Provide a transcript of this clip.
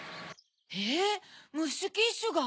えっムッシュ・キッシュが？